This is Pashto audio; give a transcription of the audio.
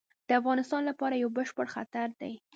د افغانستان لپاره یو بشپړ خطر دی.